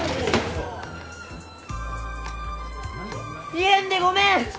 言えんでごめん！